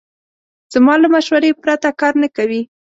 زما له مشورې پرته کار نه کوي.